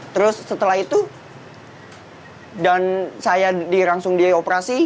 terus setelah itu dan saya langsung di operasi